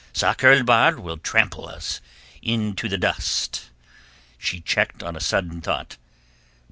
Sakr el Bahr will trample us into the dust." She checked on a sudden thought.